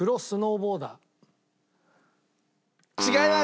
違います！